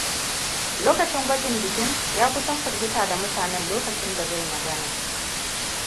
Lokacin gwajin bikin, ya kusan firgita da mutanen lokacin da zai magana.